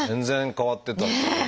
全然変わってた。